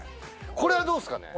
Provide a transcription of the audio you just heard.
これはどうですかね？